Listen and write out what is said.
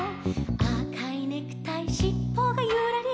「あかいネクタイシッポがゆらり」